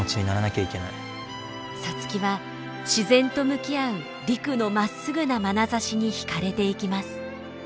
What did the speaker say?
皐月は自然と向き合う陸のまっすぐなまなざしに惹かれていきます。